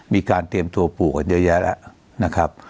มีการเตรียมตัวปลูกกันเยอะแยะแล้วนะครับ